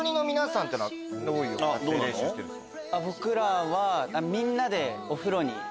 どういう発声練習してるんですか？